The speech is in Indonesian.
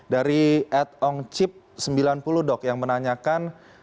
dari atongchip sembilan puluh dok yang menanyakan